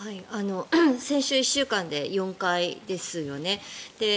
先週１週間で４回ですよね。